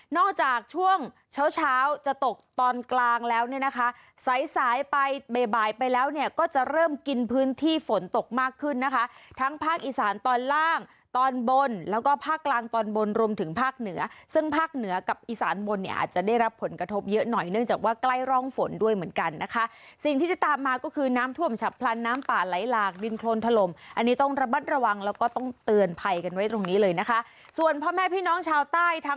นอกจากช่วงเช้าเช้าจะตกตอนกลางแล้วเนี่ยนะคะสายสายไปบ่ายบ่ายไปแล้วเนี่ยก็จะเริ่มกินพื้นที่ฝนตกมากขึ้นนะคะทั้งภาคอีสานตอนล่างตอนบนแล้วก็ภาคกลางตอนบนรวมถึงภาคเหนือซึ่งภาคเหนือกับอีสานบนเนี่ยอาจจะได้รับผลกระทบเยอะหน่อยเนื่องจากว่าใกล้ร่องฝนด้วยเหมือนกันนะคะสิ่งที่จะตามมาก็คือน้ำถ